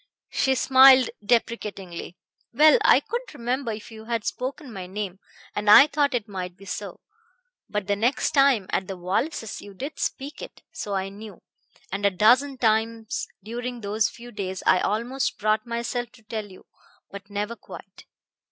She smiled deprecatingly. "Well, I couldn't remember if you had spoken my name; and I thought it might be so. But the next time, at the Wallaces', you did speak it, so I knew; and a dozen times during those few days I almost brought myself to tell you, but never quite.